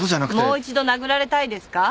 もう一度殴られたいですか？